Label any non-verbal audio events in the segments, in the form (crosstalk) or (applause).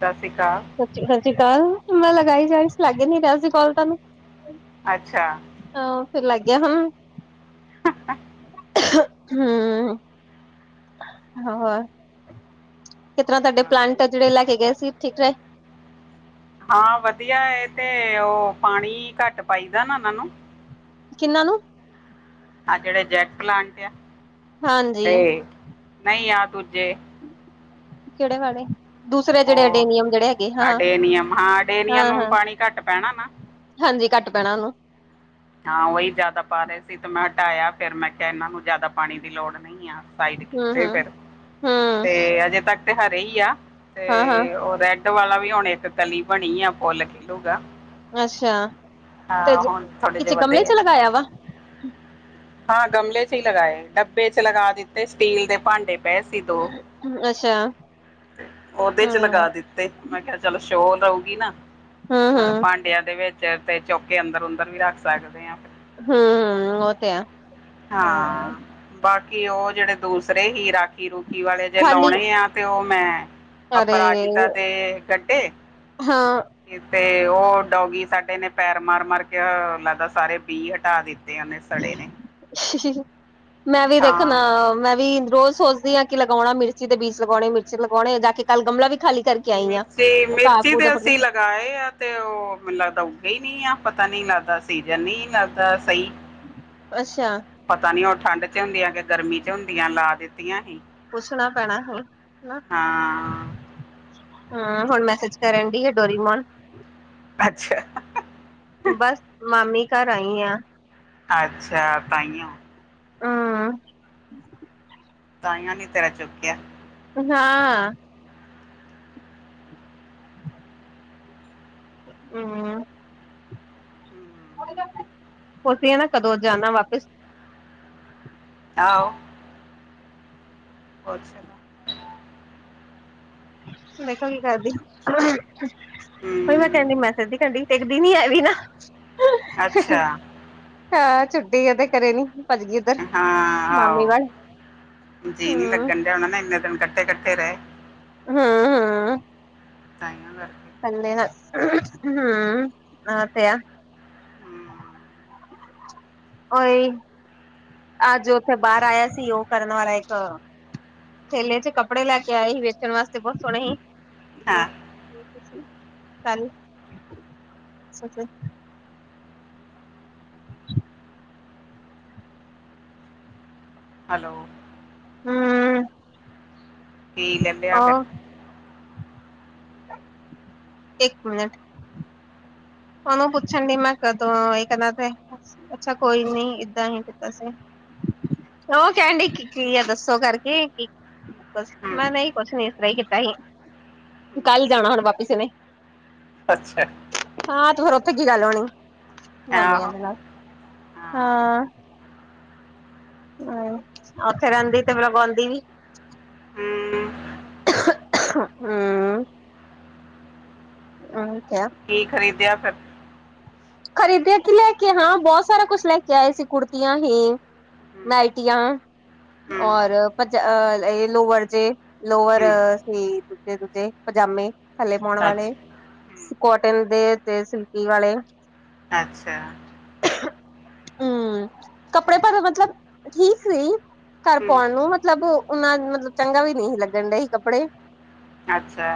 ਸਤਿ ਸ਼੍ਰੀ ਅਕਾਲ। ਸਤੀ ਸਤ ਸ਼੍ਰੀ ਅਕਾਲ। ਮੈਂ ਲਗਾਈ ਜਾਈ ਸੀ ਲਾਗੇ ਨ ਰਿਹਾ ਸੀ ਕਲ ਤੁਹਾਨੂੰ ਅੱਛਾ। ਆਹੋ। ਫਿਰ ਲੱਗ ਗਿਆ ਹੁਣ। (inaudible) ਹਮ। ਹੋਰ। ਕਿਸ ਤਰ੍ਹਾਂ ਤੁਹਾਡੇ ਹਾਂ। ਪਲਾਂਟ ਆ ਜਿਹੜੇ ਲੈ ਕੇ ਗਏ ਸੀ ਠੀਕ ਰਹੇ। ਹਾਂ ਵਧੀਆ ਏ ਤੇ ਉਹ ਪਾਣੀ ਘੱਟ ਪਾਈਦਾ ਨਾ ਇਹਨਾਂ ਨੂੰ। ਕਿੰਨਾਂ ਨੂੰ ਆਹ ਜਿਹੜੇ ਜੈਟ ਪਲਾਂਟ ਆ ਹਾਂਜੀ ਤੇ ਨਹੀਂ ਆ ਦੂਜੇ। ਕਿਹੜੇ ਵਾਲੇ। ਦੂਸਰੇ ਜਿਹੜੇ ਉਹ ਅਡੇਨੀਅਮ ਜਿਹੜੇ ਹੈਗੇ ਹਾਂ ਅਡੇਨੀਅਮ ਹਾਂ ਅਡੇਨੀਅਮ ਹਾਂ ਨੂੰ ਹਾਂ। ਪਾਣੀ ਘੱਟ ਪੈਣਾ ਨਾ ਹਾਂਜੀ ਘੱਟ ਪੈਣਾ ਉਹਨੂੰ। ਹਾਂ ਉਹੀ ਜ਼ਿਆਦਾ ਪਾ ਰਹੇ ਸੀ ਤੇ ਮੈਂ ਹਟਾਇਆ ਫਿਰ ਮੈਂ ਕਿਹਾ ਇਹਨਾਂ ਨੂੰ ਜ਼ਿਆਦਾ ਪਾਣੀ ਦੀ ਲੋੜ ਨਹੀਂ ਆ। ਹਮ ਕੀਤੇ ਹਮ ਫਿਰ ਹਮ ਤੇ ਅਜੇ ਤੱਕ ਤੇ ਹਰੇ ਹੀ ਆ ਹਾਂ ਹਾਂ ਤੇ ਉਹ ਵਾਲਾ ਵੀ ਹੁਣ ਇੱਕ ਕਲੀ ਬਣੀ ਆ ਫੁਲ ਖਿਲੂਗਾ। ਅੱਛਾ ਤੇ ਹਾਂ ਹੁਣ ਥੋੜੇ ਜਿਹਾ ਕਿ ਗਮਲੇ ਵਧੇ ਆ ਚ ਲਗਾਇਆ ਵਾ। ਹਾਂ ਗਮਲੇ ਚ ਹੀ ਲਗਾਏ ਡੱਬੇ ਚ ਲਗਾ ਦਿੱਤੇ ਸਟੀਲ ਦੇ ਭਾਂਡੇ ਪਏ ਸੀ ਦੋ, ਅੱਛਾ ਉਹਦੇ ਚ ਹਮ ਹਮ ਲਗਾ ਦਿੱਤਾ ਤੇ ਮੈਂ ਕਿਹਾ ਚਲ ਸ਼ੋਰ ਉਗੀ ਨਾ ਨਾਲੇ ਹਮ ਭਾਂਡਿਆਂ ਦੇ ਵਿੱਚ ਚੋਰ ਤੇ ਚੌਕ ਕੇ ਅੰਦਰ ੳਂਦਰ ਵੀ ਰੱਖ ਸਕਦੇ ਹਾਂ। ਹੂੰ ਹੂੰ ਓਤੇ ਹੈ। ਹਾਂ ਬਾਕੀ ਉਹ ਜਿਹੜੇ ਦੂਸਰੇ ਹੀਰਾ ਕੀ ਰੁਕੀ ਵਾਲੇ ਜੇ ਖਾਲੀ ਲਾਉਣੇ ਆ ਤੇ ਉਹ ਮੈਂ ਅਰੇ ਅਪਰਾਜਿਤਾ ਦੇ ਕੱਢੇ ਹਾਂ। ਤੇ ਉਹ ਡੋਗੀ ਸਾਡੇ ਨੇ ਪੈਰ ਮਾਰ ਮਾਰ ਕੇ ਲੱਗਦਾ ਸਾਰੇ ਬੀ ਹਟਾ ਦਿੱ ਤੇ ਨੇ ਸੜੇ ਨੇ। ਮੈਂ ਵੀ ਦੇਖਣਾ ਹਾਂ ਮੈਂ ਵੀ ਰੋਜ਼ ਸੋ ਆ ਕਿ ਲਗਾਉਣਾ ਮਿਰਚੀ ਦੇ ਬੀਜ ਲਗਾਉਣੇ ਮਿਰਚ ਲਗਾਉਣੇ ਜਾ ਕੇ ਕੱਲ ਗਮਲਾ ਵਿ ਖਾਲੀ ਕਰਕੇ ਆਈ ਆਂ ਉਹ ਘਾਹ ਘੂ ਦੇ ਫ ੳਗਾਏ ਆ ਤੇ ਉਹ ਮੈਨੂੰ ਲੱਗਦਾ ਉੱਘੇ ਹੀ ਨੀ ਆ ਪਤਾ ਨੀ ਲੱਗਦਾ ਸੀਜਨ ਨੀ ਲੱਗਦਾ ਸਹੀ। ਅੱਛਾ। ਪਤਾ ਨੀ ਉਹ ਠੰਢ ਚ ਹੁੰਦੀਆਂ ਕਿ ਗਰਮੀ ਚ ਹੁੰਦੀਆਂ ਲਾ ਦਿੱ ਹਾਂ। ਪੁੱਛਣਾ ਪੈਣਾ ਹੁਣ ਹਾ। ਹੁਣ ਮੈਸੇਜ ਕਰਨ ਦੀ ਏ ਡੋਰੀਮੋਨ ਅੱਛਾ। ਬਸ ਮਾਮੀ ਘਰ ਆਈ ਆ। ਅੱਛਾ ਤਾਈਓ। ਹਮ ਤਾਈੳ ਨੀ ਤੇਰਾ ਚੁੱਕਿਆ ਹਾਂ। (inaudible) ਹੂੰ ਤੁਸੀਂ ਨਾ ਕਦੋਂ ਜਾਣਾ ਵਾਪਸ। ਆਹੋ। ਅੱਛਾ। ਵੇਖੋ ਕੀ ਕਰਦੀ। ਉਈ ਮੈਂ ਕਹਿੰਦੀ ਮੈਂ ਹਮ ਮੈਸਜ ਟੰਗਡੀ ਟਿੱਗਦੀ ਨੀ ਹੈਗੀ ਨਾ। ਅੱਛਾ ਹਾਂ। ਛੁੱਟੀ ਉਹਦੇ ਕਰੇ ਨੀ ਭੱਜ ਗਈ ਉੱਧਰ ਹਾਂ। ਮਾਮੀ ਵੱਲ ਆਹੋ ਜੀਅ ਨੀ ਹਮ ਲੱਗਣ ਦਿਆ ਹੋਨਾ ਇੰਨੇ ਦਿਨ ਕੱਠੇ ਕੱਠੇ ਰਹੇ। ਹੂੰ - ਹੂੰ। ਤਹੀਂੳ ਕਰਕੇ। ਥੱਲੇ ਦਾ ਹੂੰ ੳਹ ਤੇ ਹੈ। ਹਮ ਓਏ। ਅਜ ਉੱਥੇ ਬਾਹਰ ਆਇਆ ਸੀ। ਉਹ ਕਰਨ ਵਾਲਾ ਇੱਕ ਢੇਲੇ ਚ ਕੱਪੜੇ ਲੈ ਕੇ ਆਏ ਸੀ ਵੇਚਣ ਵਾਸਤੇ ਬਹੁਤ ਸੋਹਣੇ ਹੀ। ਹਾਂ (inaudible) ਹੈਲੋ ਹੂੰ ਪੀ ਲੈਂਦੇ ਆ ਫੇਰ ਇੱਕ ਮਿੰਟ ਉਹਨੂੰ ਪੁੱਛ ਮੈਂ ਅੱਛਾ ਕੋਈ ਨੀ ਏਦਾਂ ਹੀ ਕੀਤਾ ਸੀ। ਉਹ ਕਹਿਣ ਦੀ ਕੀ ਆ ਦੱਸੋ ਕਰਕੇ ਕੀ। ਬਸ ਹਮ ਮੈਂ ਨਹੀਂ ਕੁਛ ਨੀ ਇਸ ਤਰ੍ਹਾਂ ਹੀ ਕੀਤਾ ਸੀ ਹਮ ਕੱਲ ਜਾਣਾ ਹੁਣ ਵਾਪਸੀ ਨੇੇ ਅੱਛਾ। ਹਾਂ। ਤੇ ਫਿਰ ਉਥੇ ਕੀ ਗੱਲ ਹੋਣੀ ਮਾਮੀਆਂ ਆਹੋ ਦੇ ਨਾਲ ਹਾਂ। ਹੂੰ ਉਥੇ ਰਹਿੰਦੀ ਤੇ ਫੇਰ ਉਗਾਉਂਦੀ ਵੀ। ਹੂੰ ਹਾਂ - ਹੂੰ (inaudible) ਕੀ ਖਰੀਦਿਆ ਫਿਰ ਖਰੀਦਿਆ, ਕਿ ਲੈ ਕੇ ਹਾਂ ਬਹੁਤ ਸਾਰਾ ਕੁਛ ਲੈ ਕੇ ਆਏ ਸੀ, ਕੁੜਤੀਆਂ ਹੀ। ਹੂੰ ਨਾਇਟੀਆਂ ਹੂੰ ਔਰ ਪ ਏ ਲੋਵਰ ਜੇ ਲੋਵਰ ਹੂੰ ਸੀ, ਦੂਜੇ ਦੂਜੇ ਪਜਾਮੇ ਥੱਲੇ ਪਾਉਣ ਵਾਲੇ, ਅੱਛਾ ਹੂੰ, ਕੋਟਨ ਦੇ ਤੇ ਸਿਲਕੀ ਵਾਲੇ। ਅੱਛਾ, ਹੂ, ਕੱਪੜੇ, ਹੂੰ, ਭਾਵੇਂ ਮਤਲਬ ਠੀਕ ਸੀ। ਘਰ ਪਾਉਣ ਹੂੰ ਨੂੰ, ਮਤਲਬ ਉਹਨਾ ਮਤਲਬ ਚੰਗਾ ਵੀ ਨਹੀਂ ਸੀ ਲੱਗਣ ਡ ਹੀ ਕੱਪੜੇ। ਅੱਛਾ,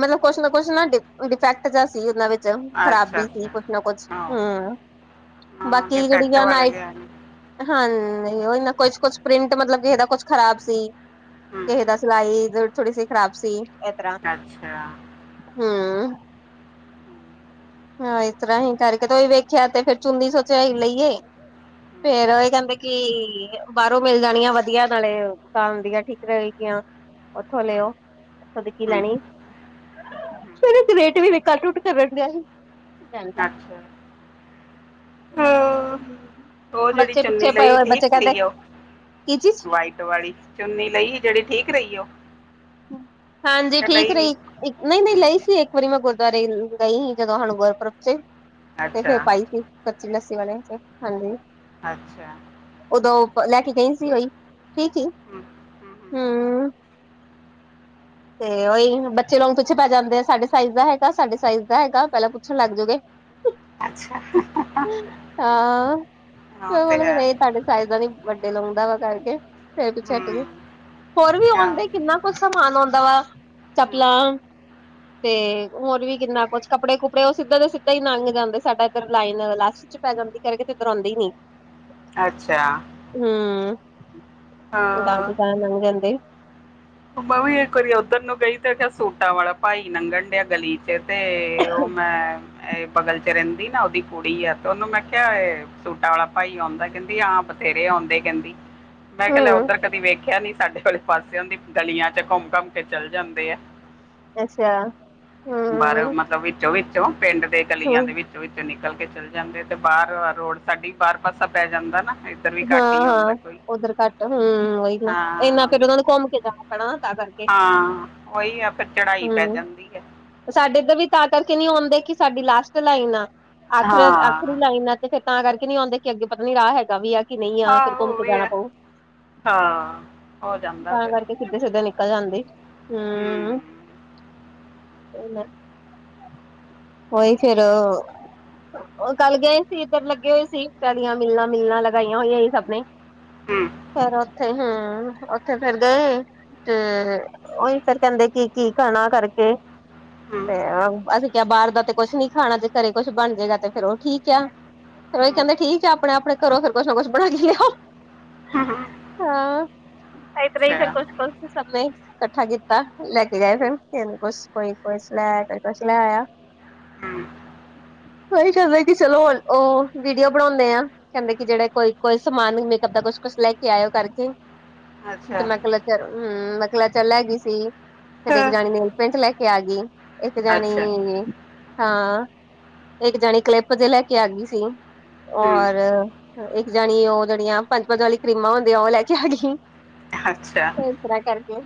ਮਤਲਬ ਕੁਛ ਨਾ ਕੁਛ ਨਾ, ਡਿਫੈਕਟ ਜੇਯਾ ਸੀ ਉਹਨਾਂ ਵਿੱਚ ਅੱਛਾ ਖ਼ਰਾਬੀ ਸੀ ਅੱਛਾ ਕੁਛ ਨਾ ਕੁਛ, ਹਾਂ ਹੂ ਹਾਂ ਬਾਕੀ ਡਿਫੈਕਟ ਜਿਹੜੀਆਂ ਵਾਲੇ ਨਾਇਟ ਲਿਆ ਨੇ ਹਾਂ, ਉਹ ਨਾ, ਕੁਛ ਕੁਛ ਪ੍ਰਿੰਟ ਮਤਲਬ ਕਿ ਇਹਦਾ ਕੁਛ ਖਰਾਬ ਸੀ ਹੂੰ ਕਿਸੇ ਦਾ ਸਿਲਾਈ ਥੋੜੀ ਸੀ ਖ਼ਰਾਬ ਸੀ, ਇਸ ਤਰ੍ਹਾਂ, ਅੱਛਾ ਹੂੰ। ਹਾਂ ਇਸ ਤਰ੍ਹਾਂ ਹੀ ਕਰਕੇ ਤੇ ਈ ਵੇਖਿਆ, ਤੇ ਫਿਰ ਚੁੰਨੀ ਸੋਚਾਈ ਲਈਏ। ਫੇਰ ਇਹ ਕਹਿੰਦੇ, ਕਿ ਬਾਹਰੋਂ ਮਿਲ ਜਾਣੀਆਂ ਵਧੀਆ ਨਾਲੇ ਦੁਕਾਨ ਦੀਆਂ ਠੀਕ ਰਹੇ ਗੀਆਂ। ਔ ਥੋਂ ਲਓ, ਇਥੋਂ ਦੀ ਕੀ ਹੂੰ, ਹੂੰ, ਲੈਣੀ। ਹੂੰ, ਹੂੰ, ਫੇਰ ਰੇਟ ਵੀ ਘਟ ਘੁੱਟ ਕਰਨ ਡਿਆ ਸੀ। ਤੇ ਤਾਂ ਅੱਛਾ ਹਾਂ, ਹੂੰ, (unintelligible) ਉਹ ਜਿਹੜੀ ਚੁੰਨੀ ਲਈ, ਠੀਕ ਸੀਗੀ, ਉਹ ਕੀ ਚੀਜ਼ ਵਾਈਟ ਵਾਲੀ। ਚੁੰਨੀ ਲਈ ਏ ਜਿਹੜੀ, ਠੀਕ ਰਹੀ ਉਹ ਹਾਂਜੀ, ਕਿ ਠੀਕ ਲਈ ਨਹੀਂ ਰਹੀ, ਨਹੀਂ ਨਹੀਂ ਲਈ ਹੂੰ, ਸੀ ਇੱਕ। ਖੁਦ ਹੀ ਮੈਂ ਗੁਰਦੁਆਰੇ ਗਈ ਸੀ, ਜਦੋਂ ਸਾਨੂੰ ਗੁਰਪੁਰਬ ਸੀ, ਤੇ ਫਿਰ ਅੱਛਾ ਪਾਈ ਸੀ। ਕੱਚੀ ਲੱਸੀ ਵਾਲੇ, ਹਾਂਜੀ। ਅੱਛਾ, ਉਦੋਂ ਔ ਲੈ ਕੇ ਗਈ ਸੀ ਉਈ, ਠੀਕ ਸੀ, ਹਮ, ਹਮ, ਹਮ। ਹੂੰ। ਤੇ ਉਹੀ ਬੱਚੇ ਲੋਕ ਪਿੱਛੇ ਪੈ ਜਾਂਦੇ ਆ, ਸਾਡੇ ਸਾਈਜ਼ ਦਾ ਹੈਗਾ, ਸਾਡੇ ਸਾਈਜ਼ ਦਾ ਹੈਗਾ, ਪਹਿਲਾਂ ਪੁੱਛਣ ਲੱਗ ਜੂਗੇ। ਅੱਛਾ ਹਾਂ, ਹਾਂ ਉਹ ਤੇ ਹੈ (unintelligible) ਸਾਡੇ ਸਾਈਜ਼ ਦਾ ਨੀ, ਵੱਡੇ ਲਾਉਂਦਾ ਵਾ ਕਰਕੇ ਫਿਰ ਪਿੱਛੇ ਹਮ ਹਟੂ। ਹੋਰ ਵੀ ਹਾਂ ਆਉਂਦੇ, ਕਿੰਨਾ ਕੁਝ ਸਮਾਨ ਆਉਂਦਾ ਵਾ, ਹਮ, ਚੱਪਲਾਂ। ਤੇ ਹੋਰ ਵੀ ਕਿੰਨਾ ਕੁਛ, ਕੱਪੜੇ ਕੁਪੜੇ, ਉਹ ਸਿੱਧਾ ਤੇ ਸਿੱਧਾ ਹੀ ਲੰਘ ਜਾਂਦੇ, ਸਾਡਾ ਇੱਧਰ ਲਾਈਨ ਲ ਪੈ ਜਾਂਦੀ ਕਰਕੇ ਤੇ ਉੱਧਰ ਆਉਂਦੇ ਹੀ ਨਹੀਂ। ਅੱਛਾ ਹੂ, ਹਾਂ ਗਲੀ ਗਾਂਹ ਲੰਘਣ ਦੇ। ਮ ਵੀ ਇੱਕ ਵਾਰੀ ਉਧਰ ਨੂੰ ਗਈ, ਤੇ ਦੇਖਿਆ ਸੂਟਾਂ ਵਾਲਾ ਭਾਈ ਨੰਘਣ ਡਿਆ ਗਲੀ ਚ ਤੇ ਤੇ ਉਹ ਮੈਂ ਇਹ ਬਗਲ ਚ ਰਹਿੰਦੀ ਨਾ ਉਹਦੀ ਕੁੜੀ ਆ, ਤੇ ਉਹਨੂੰ ਮੈਂ ਕਿਹਾ ਇਹ ਸੂਟਾਂ ਵਾਲਾ ਭਾਈ ਆਉਂਦਾ, ਕਹਿੰਦੀ ਆਹ ਬਥੇਰੇ ਆਉਂਦੇ, ਕਹਿੰਦੀ। ਮੈਂ ਕਿਹਾ ਲੇ ਹੂੰ ਉਦਾਂ ਕਦੀ ਵੇਖਿਆ ਨੀ ਸਾਡੇ ਕੋਲੇ ਪਾਸੇ ਔਦੀ, ਗਲੀਆਂ ਚ ਘੁੰਮ -ਘਮ ਕੇ ਚਲ ਜਾਂਦੇ ਆ। ਅੱਛਾ! ਬਾਹਰ, ਹੂੰ ਮਤਲਬ ਵਿੱਚੋਂ ਵਿੱਚੋਂ ਪਿੰਡ ਦੇ ਹੂੰ ਗਲੀਆਂ ਦੇ ਵਿੱਚ। ਵਿੱਚ ਨਿਕਲ ਕੇ ਚੱਲੇ ਜਾਂਦੇ, ਤੇ ਬਾਹਰ ਰੋਡ ਸਾਡੀ ਬਾਹਰ ਪਾਸਾ ਪੈ ਜਾਂਦਾ ਨਾ ਫਿਰ। ਹਾਂ ਹਾਂ ਉੱਧਰ ਘੱਟ ਆ, ਹੂ ਉਹੀ ਨਾ, ਇਨਾ ਹਾਂ ਫੇਰ ਉਹੀ ਉਹਨਾਂ ਹੈ। ਨੂੰ ਘੁੰਮ ਕੇ ਜਾਣਾ ਪੈਣਾ ਨਾ, ਤਾਂ ਕਰਕੇ। ਹਾਂ ਉਹੀ ਆ, ਫਿਰ ਚੜਾਈ ਪੈ ਹੂੰ ਜਾਂਦੀ ਏ। ਸਾਡੇ ਇੱਧਰ ਵੀ ਤਾਂ ਕਰਕੇ ਨਹੀਂ ਆਉਂਦੇ, ਕਿ ਸਾਡੀ ਲਾਸਟ ਲਾਈਨ ਆ, ਆਖਰੀ ਹਾਂ ਆਖਰੀ ਲਾਈਨ ਆ। ਤੇ ਫੇਰ ਤਾਂ ਕਰਕੇ ਨੀ ਆਉਂਦੇ, ਕਿ ਅੱਗੇ ਪਤਾ ਨੀ ਰਾਹ ਹੈਗਾ ਵੀ ਆ ਕਿ ਨਹੀਂ ਆ, ਹਾਂ ਫਿਰ ਘੁੰਮ ਉਹ ਕੇ ਵੀ ਜਾਣਾ ਹੈ ਪਊ। ਹਾਂ ਹੋ ਜਾਂਦਾ ਤਾਂ ਫਿਰ ਕਰਕੇ ਸਿੱਧੇ- ਸਿੱਧੇ ਨਿਕਲ ਜਾਂਦੇ, ਹੂੰ ਹੂ। ਇਹਨਾ ਉਹੀ ਫੇਰ! ਉਹ ਕੱਲ ਗਏ ਹੀ ਸੀ, ਇੱਧਰ ਲੱਗੇ ਹੋਏ ਸੀ, ਚੜੀਆਂ ਮਿਲਾਂ ਮਿਲਾਂ ਲਗਾਈਆਂ ਹੋਈਆਂ ਸੀ ਸਭਣੇ। ਹੂ ਫੇਰ ਉੱਥੇ, ਹਮ ਉੱਥੇ ਫੇਰ ਗਏ। ਤੇ ਉਹੀ ਫੇਰ ਕਹਿੰਦੇ ਕੀ -ਕੀ ਖਾਣਾ ਕਰਕੇ। ਹੂੰ ਹੂੰ, ਤੇ ਅਸੀਂ ਕਿਹਾ ਬਾਹਰ ਦਾ ਤੇ ਕੁਛ ਨੀ ਖਾਣਾ ਜੇ ਘਰੇ ਕੁਛ ਬਣ ਜਾਏਗਾ ਤੇ ਫੇਰ ਉਹ ਠੀਕ ਆ। ਫਿਰ ੳਹੀ ਹੂੰ, ਕਹਿੰਦੇ ਠੀਕ ਏ ਆਪਣੇ -ਆਪਣੇ ਘਰੋਂ ਫੇਰ ਕੁਛ ਨਾ ਕੁਛ ਬਣਾ ਕੇ ਲਿਆਓ। ਹੂੰ। ਹਾਂ ਇਸ ਤਰਾਂ ਕੁਛ ਨਾ ਅੱਛਾ ਕੁਛ ਕੁ ਸਭ ਨੇ ਇਕੱਠਾ ਕੀਤਾ ਲੈ ਕੇ ਗਏ ਫੇਰ ਕੁਛ ਕੋਈ ਕੁਛ ਲੈ ਆਇਆ ਕੋਈ ਕੁਛ ਲੈ ਆਇਆ? ਹੂੰ ਉਹੀ ਕਰਦਾ ਕਿ ਚਲੋ ਉਹ ਵੀਡੀਓ ਬਣਾਉਂਦੇ ਆ। ਕਹਿੰਦੇ ਕਿ ਜਿਹੜਾ ਕੋਈ- ਕੋਈ ਸਮਾਨ ਮੇਕਅਪ ਦਾ ਕੁਛ- ਕੁਛ ਲੈ ਕੇ ਆਇਓ ਕਰਕੇ, ਅੱਛਾ ਤੇ ਮੈਂ ਕਹਿਲ ਚ ਹਮ ਮੈਂ ਕਲਚਰ ਲੈ ਗਈ ਸੀ ਫਿਰ ਇੱਕ ਹਾਂ, ਜਾਣੀ ਨੇਲਪੈਂਟ ਲੈ ਕੇ ਆ ਗਈ। ਇੱਕ ਜਾਣੀ, ਅੱਛਾ ਹਾਂ ਇੱਕ ਜਾਣੀ ਕਲਿੱਪ ਦੇ ਲੈ ਕੇ ਆ ਗਈ ਸੀ। ਹੂੰ ਔਰ, ਇੱਕ ਜਾਣੀ ਉਹ ਜਿਹੜੀਆਂ ਪੰਜ -ਪੰਜ ਵਾਲੀਆਂ ਕਰੀਮਾਂ ਹੁੰਦੀਆਂ ਉਹ ਲੈ ਕੇ ਆ ਗਈ। ਅੱਛਾ ਇਸ ਤਰਾਂ ਕਰਕੇ,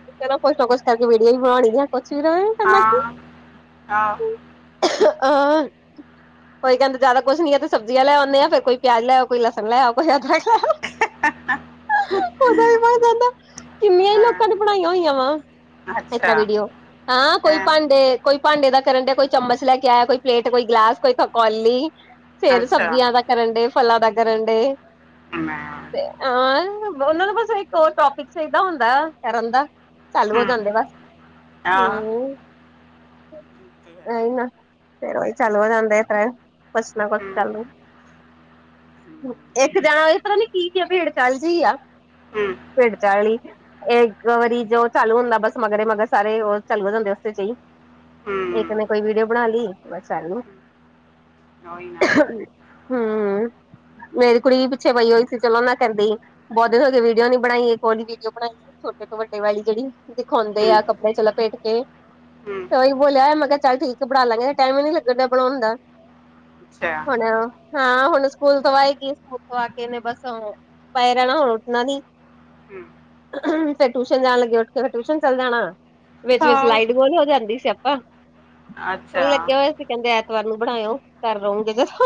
ਚਲੋ ਵੀਡੀੳ ਬਣਾਉਣੀ ਜਾਂ ਕੁਛ ਵੀ ਰਹੇ। ਕਹਿੰਦਾ ਕਿ ਹਾਂ ਆਹ‌ ਆਹ ਕੋਈ ਕਹਿੰਦੇ ਆ ਜ਼ਿਆਦਾ ਕੁੱਛ ਨੀਂ ਤੇ ਸਬਜ਼ੀਆਂ ਲੈ ਆਉਨੇ ਆ ਫੇਰ ਕੋਈ ਪਿਆਜ ਲੈ ਆੳ, ਕੋਈ ਲਸਣ ਲਿਆਓ, ਕੋਈ ਅਦਰਕ ਲੈ ਉਹਦਾ ਵੀ ਮਦਾ ਕਿੰਨੀਆਂ ਹੀ ਹਾਂ, ਲੋਕਾਂ ਦੀ ਬਣਾਈਆਂ ਹੋਈਆਂ ਵਾ। ਇਸ ਤਰਾ ਅੱਛਾ ਵੀਡੀਓ, ਆਹ ਕੋਈ ਹਾਂ ਭਾਂਡੇ ਕੋਈ ਭਾਂਡੇ ਦਾ ਕਰਨ ਦਿਆ ਕੋਈ ਚਮਚ ਲੈ ਕੇ ਆਇਆ ਕੋਈ ਪਲੇਟ ਕੋਈ ਗਲਾਸ ਕੋਈ ਕੌਲੀ, ਫੇਰ ਅੱਛਾ ਸਬਜ਼ੀਆਂ ਦਾ ਕਰਨ ਦੇ ਫਲਾਂ ਦਾ ਕਰਨ ਦੇ। ਹਾਂ ਉਹਨਾਂ ਨੂੰ ਬਸ ਇੱਕ ਹੋ ਟੋਪਿਕ ਚਾਹੀਦਾ ਹੁੰਦਾ ਕਰਨ ਦਾ ਚਾਲੂ ਹੋ ਜਾਂਦੇ ਬਸ ਹਮ, ਨਹੀਂ ਨਾ, ਫੇਰ ਉਹੀ ਚੱਲ ਹੋ ਜਾਂਦੇ ਤਾਂ ਕੁਛ ਨਾ ਕੁਛ ਚਾਲੂ। ਇੱਕ ਜਾਣਾ ਪਤਾ ਨੀ ਕੀ- ਕੀ ਭੇੜ ਚੱਲ ਜਿਹੀ ਆ। ਭੇੜ ਚਾਲ ਈ ਇੱਕ ਵਾਰੀ ਜੋ ਚਾਲੂ ਹੁੰਦਾ ਬਸ ਮਗਰੇ- ਮਗਰ ਸਾਰੇ ਉਹ ਚੱਲੂ ਜਾਂਦੇ ਉਸਦੇ ਚ ਹੀ। ਇੱਕ ਨੇ ਕੋਈ ਵੀਡੀਓ ਬਣਾ ਲਈ ਬਸ ਸਾਨੂੰ ਹੋਈ ਨਾ ਹਮ, ਮੇਰੀ ਕੁੜੀ ਵੀ ਪਿੱਛੇ ਬਈ ਹੋਈ ਸੀ ਚਲੋ ਨਾ ਕਰਦੀ। ਬਹੁਤ ਦਿਨ ਹੋ ਗਏ ਵੀਡੀਓ ਨੀ ਬਣਾਈ ਇੱਕ ਹਲੀ ਵੀਡੀਓ ਬਣਾਈ। ਛੋਟੇ ਤੋਂ ਵੱਡੇ ਵਾਲੀ ਜਿਹੜੀ, ਦਿਖਾਉਂਦੇ ਆ ਕੱਪੜੇ ਚ ਲਾਪੇਟ ਕੇ। ਉਹੀ ਬੋਲਿਆ ਮੈਂ ਕਿਹਾ ਚੱਲ ਠੀਕ ਬਣਾ ਲਾਂਗੇ ਟਾਈਮ ਹੀ ਨੀ ਲੱਗਣ ਦਿਆਂ ਬਣਾਉਣ ਦਾ। ਅੱਛਾ ਹੁਣ, ਹਾਂ ਹੁਣ ਸਕੂਲ ਤੋਂ ਆਏਗੀ। ਸਕੂਲ ਤੋਂ ਆ ਕੇ ਨੇ ਬਸ, ਪਏ ਰਹਿਣਾ ਹੁਣ ਉੱਠਣਾ ਨਹੀਂ। ਫਿਰ ਟਿਊਸ਼ਨ ਜਾਣ ਲਗੇ ਉੱਠ ਕੇ ਫਿਰ ਟਿਊਸ਼ਨ ਚੱਲ ਜਾਣਾ, ਵਿੱਚ -ਵਿਚ ਹਾਂ ਲਾਈਟ ਗੋਲ ਹੋ ਜਾਂਦੀ ਸੀ। ਸਿਆਪਾ ਉਹੀ ਅੱਛਾ ਲੱਗਿਆ ਹੋਇਆ ਅਸੀ ਕਹਿੰਦੇ ਐਤਵਾਰ ਨੂੰ ਬਣਾਇਓ ਘਰ ਰਹੋਗੇ ਜਦੋ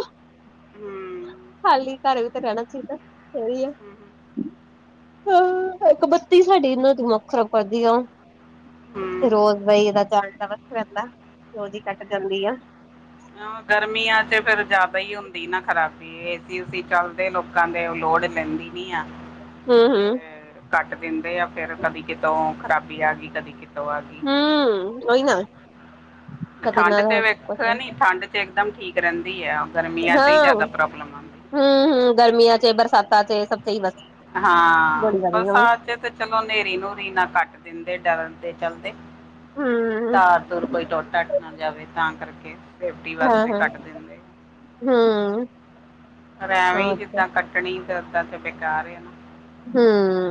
ਖਾਲੀ ਘਰੇ ਵੀ ਤਾਂ ਰਹਿਣਾ ਚਾਹੀਦਾ ਸਹੀ ਆ। ਹਾਂ, ਇੱਕ ਬੱਤੀ ਸਾਡੀ ਇਹਨਾਂ ਦਿਮਾਗ ਖਰਾਬ ਕਰਦੀ ਆ। ਰੋਜ਼ ਦਾ ਇਹਦਾ ਜਾਣ ਦਾ ਵਸ ਰਹਿੰਦਾ ਰੋਜ਼ ਹੀ ਕੱਟ ਜਾਂਦੀ ਆ। ਗਰਮੀਆਂ ਚ ਫੇਰ ਜ਼ਿਆਦਾ ਹੀ ਹੁੰਦੀ ਨਾ ਖਰਾਬ। ਏਸੀ ਏਸੀ ਚਲਦੇ ਲੋਕਾਂ ਦੇ ਉਹ ਲੋੜ ਲੈਂਦੀ ਨੀ ਆ। ਹੂੰ ਹੂੰ, ਤੇ ਕੱਟ ਦਿੰਦੇ ਆ ਫਿਰ ਕਦੀ ਕਿਤੋਂ ਖ਼ਰਾਬੀ ਆ ਗਈ, ਕਦੀ ਕਿਤੋਂ ਆ ਗਈ। ਹੂੰ, ਉਹੀ ਨਾ ਕਦੇ ਠੰਡ ਨਾ ਤੇ ਹਾਂ ਵੇਖ ਨੀ ਠੰਡ ਤੇ ਇਕ ਦਮ ਠੀਕ ਰਹਿੰਦੀ ਹੈ। ਗਰਮੀਆਂ ਚ ਹੀ ਹਾਂ ਹੂੰ ਜ਼ਿਆਦਾ ਪ੍ਰੋਬਲਮ ਆਉਂਦੀ ਹੂੰ, ਗਰਮੀਆਂ ਚ ਬਰਸਾਤਾਂ ਚ ਸਭ ਸਹੀ ਬਸ। ਹਾਂ ਗੋਲੀ ਗਾਲੀ ਹਾਂ। ਬਰਸਾਤ ਚ ਤੇ ਚਲੋ ਹਨੇਰੀ ਨੂਰੀ ਨਾ ਕੱਟ ਦਿੰਦੇ ਡਰਨ ਦੇ ਚਲਦੇ। ਹੂੰ ਧਾਰ ਤੁਰ ਕੋਈ ਟੁੱਟੱਟ ਨਾ ਜਾਵੇ ਤਾਂ ਕਰਕੇ। ਸੇਫਟੀ ਹਾਂ ਵਾਸਤੇ ਹਾਂ ਕੱਟ ਦਿੰਦੇ ਹਾਂ, ਹੂੰ ਹਾਂ ਰਹਿਵੇਂ ਜਿੱਦਾਂ ਕੱਟਣੀ ਤੇ ਦਾਂ ਤੇ ਬੇਕਾਰ ਨਾ। ਹੂੰ।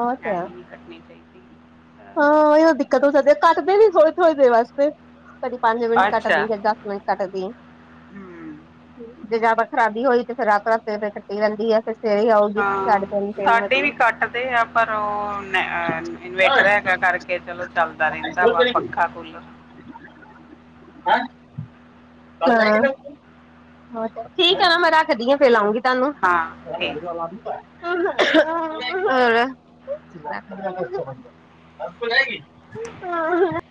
ਉਹ ਤੇ ਹੈ। ਅਭੀ ਹੈਗੀ। ਹਾਂ। ਇਹ ਤਾਂ ਦਿੱਕਤ ਹੋ ਸਕਦੀ ਆ ਕੱਟਦੇ ਨੀ ਥੋੜੇ- ਥੋੜੇ ਦੇਰ ਵਾਸਤੇ। ਕਦੀ ਪੰਜ ਮਿੰਟ ਕੱਟ ਨੀ ਅੱਛਾ ਹੈਗਾ। ਟ ਕਟਦੀ ਹਮ, ਜੇ ਜ ਆਪਾਂ ਖਰਾਬੀ ਹੋਈ ਤੇ ਫਿਰ ਰਾਤ- ਰਾਤ ਕੱਟੀ ਰਹਿੰਦੀ ਆ ਫਿਰ। ਸਵੇਰੇ ਆਊਗੀ ਹਾਂ। ਸਾਢੇ ਤਿੰਨ ਤਿੰਨ ਸਾਡੇ ਵਜੇ ਵੀ ਕੱਟਦੇ ਆ, ਪਰ ਉਹ ਹਾਂ ਇਨਵੇਟਰ ਹੈਗਾ ਕਰਕੇ ਚਲੋ ਚੱਲਦਾ ਰਹਿੰਦਾ ਵਾ ਪੱਖਾ, ਕੁੱਲ। (unintelligible) ਠੀਕ ਹੈ ਨਾ ਮੈਂ ਰੱਖਦੀ ਹਾਂ ਫੇਰ ਲਉਂਗੀ ਤੁਹਾਨੂੰ। ਹਮ ਸੋ ਜਾਏਗੀ।